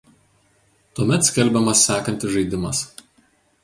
Tuomet skelbiamas sekantis žaidimas.